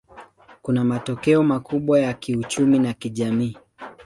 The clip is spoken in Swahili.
Kuna matokeo makubwa ya kiuchumi na kijamii.